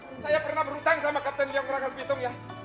saya pernah berhutang sama kapten lio ngerangas pitung ya